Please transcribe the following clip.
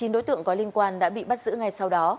chín đối tượng có liên quan đã bị bắt giữ ngay sau đó